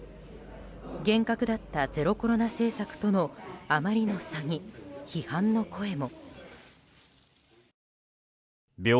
厳格だったゼロコロナ政策とのあまりの差に批判の声も。